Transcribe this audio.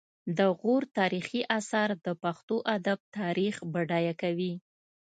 د غور تاریخي اثار د پښتو ادب تاریخ بډایه کوي